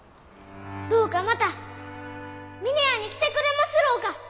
どうかまた峰屋に来てくれますろうか？